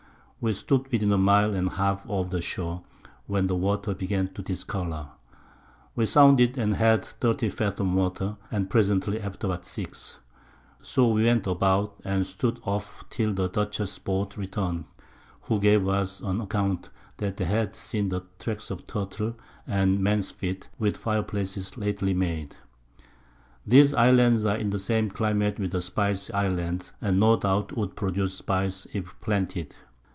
We stood within a Mile and half of the Shore, when the Water began to discolour. We sounded and had 30 Fathom Water, and presently after but 6; so we went about, and stood off till the Dutchess's Boat return'd, who gave us an account that they had seen the Tracks of Turtle, and Mens Feet, with Fire places lately made. These Islands are in the same Climate with the Spice Islands, and no doubt would produce Spice, if planted.